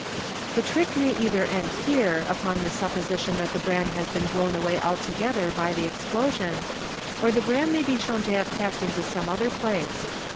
The trick may either end here, upon the supposition that the bran has been blown away altogether by the explosion, or the bran may be shown to have passed to some other place.